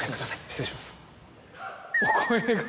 失礼します。